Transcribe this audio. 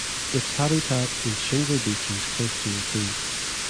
Its habitat is "shingle beaches close to the sea".